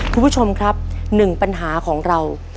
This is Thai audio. คุณผู้ชมครับหนึ่งปัญหาของเรา